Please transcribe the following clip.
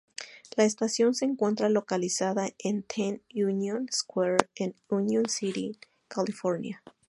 La estación se encuentra localizada en Ten Union Square en Union City, California.